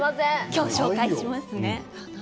今日、紹介しますね。